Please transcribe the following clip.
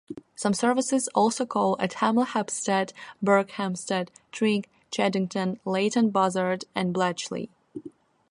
Some services also call at Hemel Hempstead, Berkhamsted, Tring, Cheddington, Leighton Buzzard and Bletchley.